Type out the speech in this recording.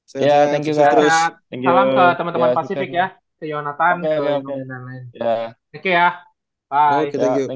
salam ke teman teman pacific ya